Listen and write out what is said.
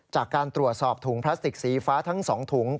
จากการตรวจสอบถุงพลาสติกสีฟ้าทั้ง๒ถุง